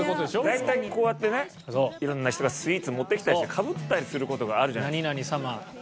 大体こうやってね色んな人がスイーツ持ってきたりしてかぶったりする事があるじゃないですか。